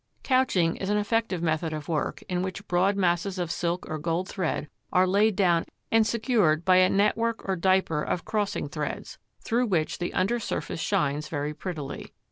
Couching is an effective method of work, in which broad masses of silk or gold thread are laid down and secured by a network or diaper of crossing threads, through which the under surface shines very prettily.